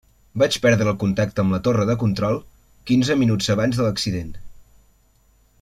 Vaig perdre el contacte amb la torre de control quinze minuts abans de l'accident.